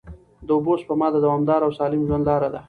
د اوبو سپما د دوامدار او سالم ژوند لاره ده.